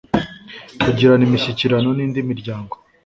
kugirana imishyikirano n indi miryango